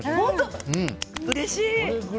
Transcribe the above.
うれしい！